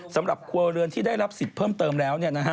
สำหรับครัวเรือนที่ได้รับสิทธิ์เพิ่มเติมแล้ว